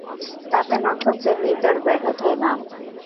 তাতে নক্ষত্রের নিদ্রার ব্যাঘাত হয় না।